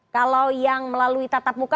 kalau yang melalui tatap muka